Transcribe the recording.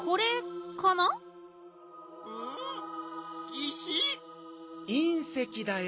石？いんせきだよ。